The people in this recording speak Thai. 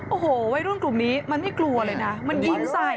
โอ้โหวัยรุ่นกลุ่มนี้มันไม่กลัวเลยนะมันยิงใส่